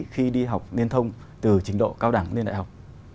khi đi học liên thông từ trình độ cao đẳng lên đại học